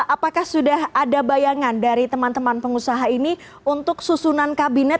apakah sudah ada bayangan dari teman teman pengusaha ini untuk susunan kabinet